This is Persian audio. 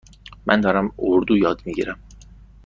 من دارم اردو یاد می گیرم.